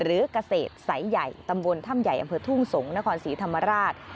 หรือเกษตรสายใหญ่ตำบลถ้ำใหญ่อำเภอทุ่งสงศ์นครศรีธรรมราช